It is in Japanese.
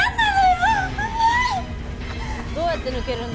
どうやって抜けるんだ。